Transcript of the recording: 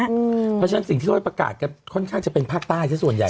เพราะฉะนั้นสิ่งที่เขาประกาศกันค่อนข้างจะเป็นภาคใต้ซะส่วนใหญ่